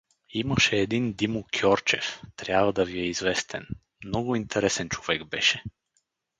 Имаше един Димо Кьорчев, трябва да ви е известен — много интересен човек беше.